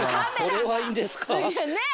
俺はいいんですか？